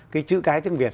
cái chữ cái tiếng việt